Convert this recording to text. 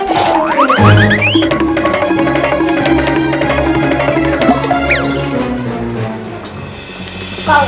pak komplit banget sih pak